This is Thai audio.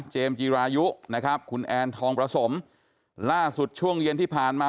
จีรายุนะครับคุณแอนทองประสมล่าสุดช่วงเย็นที่ผ่านมา